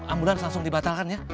ambulan langsung dibatalkan ya